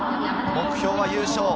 目標は優勝。